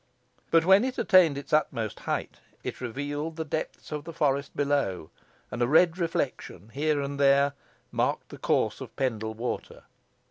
But when it attained its utmost height, it revealed the depths of the forest below, and a red reflection, here and there, marked the course of Pendle Water.